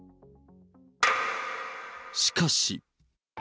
しかし。